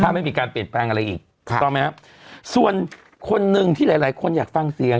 ไม่มีการเปลี่ยนแปลงอะไรอีกถูกต้องไหมครับส่วนคนหนึ่งที่หลายหลายคนอยากฟังเสียง